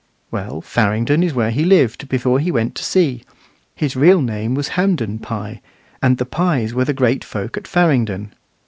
Well, Farringdon is where he lived, before he went to sea; his real name was Hamden Pye, and the Pyes were the great folk at Farringdon.